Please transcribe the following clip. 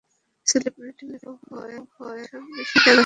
Celebrity লেখক হওয়ায় আমাকে সব বিষয়েই দেখাশোনা করতে হয়।